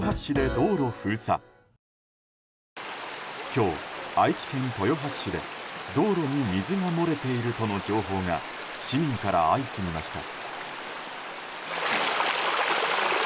今日、愛知県豊橋市で道路に水が漏れているとの情報が市民から相次ぎました。